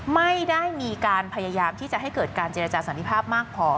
ไม่ได้มีการพยายามที่จะให้เกิดการเจรจาสันติภาพมากพอ